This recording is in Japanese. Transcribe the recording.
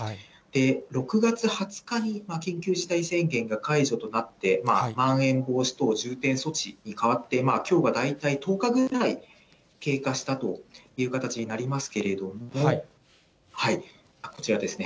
６月２０日に緊急事態宣言が解除となって、まん延防止等重点措置に変わって、きょうが大体１０日ぐらい経過したという形になりますけれども、こちらですね。